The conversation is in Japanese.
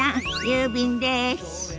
郵便です。